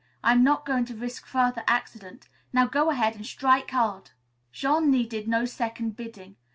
I'm not going to risk further accident. Now; go ahead and strike hard!" Jean needed no second bidding.